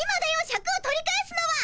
シャクを取り返すのは！